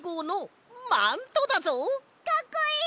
かっこいい！